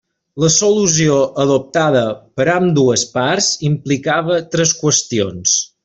La solució adoptada per ambdues parts implicava tres qüestions.